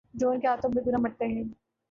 Drone کے ہاتھوں بے گناہ مرتے ہیں۔